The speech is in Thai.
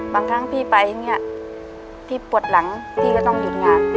บางครั้งพี่ไปอย่างนี้พี่ปวดหลังพี่ก็ต้องหยุดงาน